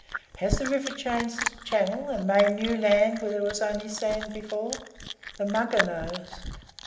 Has the river changed its channel, and made new land where there was only sand before? The Mugger knows."